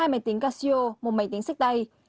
hai máy tính casio một máy tính sách tay